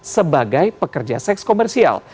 sebagai pekerja seks komersial